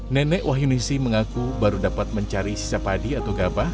nenek wahyunisi mengaku baru dapat mencari sisa padi atau gabah